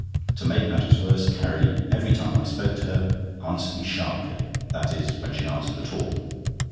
To make matters worse, Carrie, every time I spoke to her, answered me sharply—that is, when she answered at all.